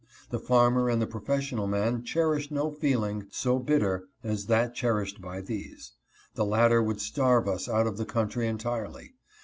The farmer and the professional man cherish no feeling so bitter as that cherished by these. The latter would starve us out of the country entirely.